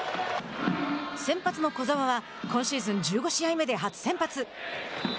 先発の小澤は、今シーズン１５試合目で初先発。